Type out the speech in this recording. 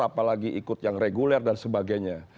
apalagi ikut yang reguler dan sebagainya